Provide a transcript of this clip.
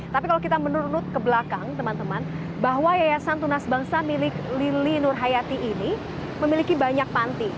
tapi kalau kita menurun ke belakang teman teman bahwa yayasan tunas bangsa milik lili nurhayati ini memiliki banyak panti